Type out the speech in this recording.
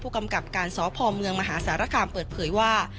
กำกับการสพเมืองมหาสารคามเปิดเผยว่า